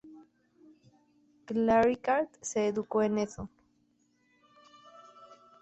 Clanricarde se educó en Eton.